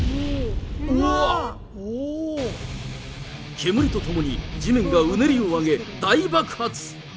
煙とともに地面がうねりを上げ、大爆発。